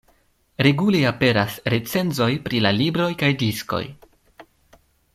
Regule aperas recenzoj pri la libroj kaj diskoj.